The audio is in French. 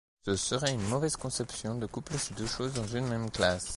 Ce serait une mauvaise conception de coupler ces deux choses dans une même classe.